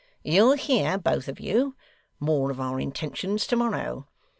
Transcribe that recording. You'll hear both of you more of our intentions to morrow.